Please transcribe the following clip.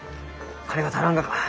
金が足らんがか？